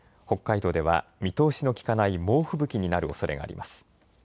北海道では見通しのきかない猛吹雪になるおそれがあります。